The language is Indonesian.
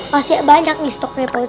masih banyak nih stoknya